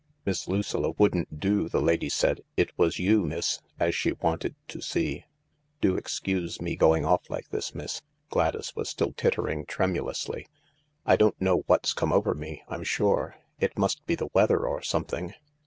" Miss Lucilla wouldn't do, the lady said. It was you, miss, as she wanted to see, Do excuse me going off like this, THE LARK 209 miss." Gladys was still tittering tremulously. " I don't know what 's come over me, I'm sure I It must be the weather or something."